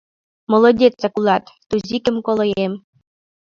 — Молодецак улат, Тузикем-колоем!